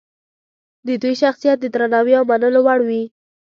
د دوی شخصیت د درناوي او منلو وړ وي.